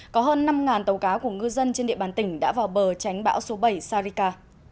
có hơn năm tàu cá của ngư dân trên địa bàn tỉnh đã vào bờ tránh bão số bảy sarika